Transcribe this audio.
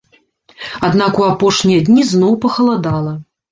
Аднак у апошнія дні зноў пахаладала.